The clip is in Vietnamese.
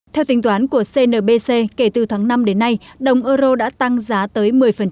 theo tính toán của cnbc kể từ tháng năm đến nay đồng euro đã tăng giá tới một mươi